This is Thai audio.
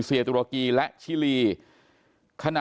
ก็คือเป็นการสร้างภูมิต้านทานหมู่ทั่วโลกด้วยค่ะ